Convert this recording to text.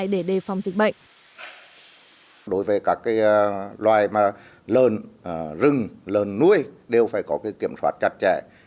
đối với các loài lợn rừng lợn nuôi đều phải có kiểm soát chặt chẽ